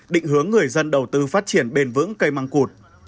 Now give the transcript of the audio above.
định hướng người dân đầu tư phát triển bền vững cây măng cụt